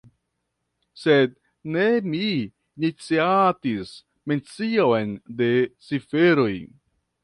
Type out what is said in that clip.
Sed ne mi iniciatis mencion de ciferoj.